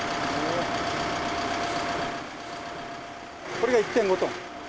これが１．５トン。